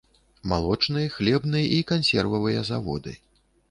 Малочны, хлебны і кансервавыя заводы.